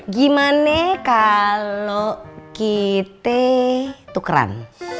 gimana kalau kita tukeran